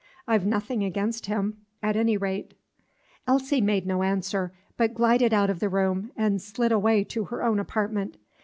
I 've nothing against him, at any rate." Elsie made no answer, but glided out of the room and slid away to her own apartment.